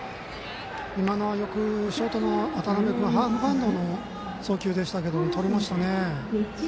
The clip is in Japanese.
今のは、よくショートの渡邊君がハーフバウンドの送球でしたけどとりましたね。